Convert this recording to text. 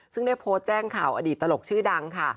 ซึ่งได้โพสต์แจ้งข่าวอดีตตลกชื่อดังค่ะ